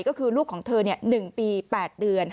ก็คือลูกของเธอ๑ปี๘เดือน